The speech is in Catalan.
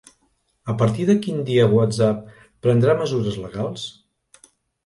A partir de quin dia WhatsApp prendrà mesures legals?